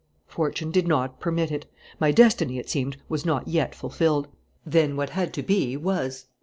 "Fortune did not permit it. My destiny, it seemed, was not yet fulfilled. Then what had to be was.